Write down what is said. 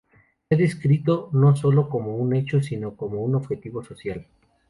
Se ha descrito no solo como un hecho sino como un objetivo social.